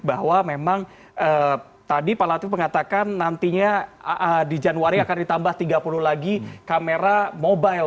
bahwa memang tadi pak latif mengatakan nantinya di januari akan ditambah tiga puluh lagi kamera mobile